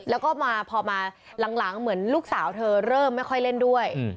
แล้วก็มาพอมาหลังเหมือนลูกสาวเธอเริ่มไม่ค่อยเล่นด้วย